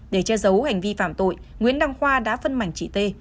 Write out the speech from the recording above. để che giấu hành vi phạm tội nguyễn đăng khoa đã phân mảnh chị t